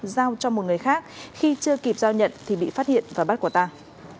giao cho một người khác khi chưa kịp giao nhận thì bị phát hiện và bắt quả tàng